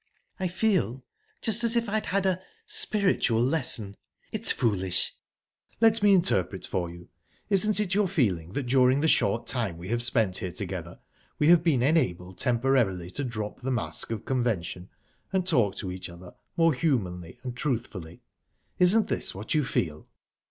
"I feel...just as if I'd had a spiritual lesson... It's foolish..." "Let me interpret for you. Isn't it your feeling that during the short time we have spent here together we have been enabled temporarily to drop the mask of convention, and talk to each other more humanly and truthfully? Isn't this what you feel?"